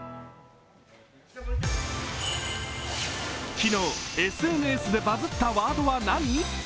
昨日、ＳＮＳでバズったワードは何？